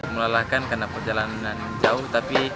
melelahkan karena perjalanan jauh tapi